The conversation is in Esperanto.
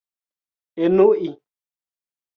enui